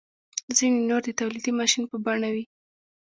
ځینې نور د تولیدي ماشین په بڼه وي.